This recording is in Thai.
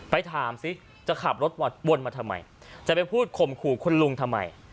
ถามสิจะขับรถวนมาทำไมจะไปพูดข่มขู่คุณลุงทำไม